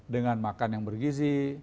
dengan makan yang bergizi